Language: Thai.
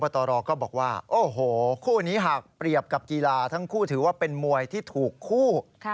ที่หากเปรียบกับกีฬาทั้งคู่ถือว่าเป็นมวยที่ถูกคู่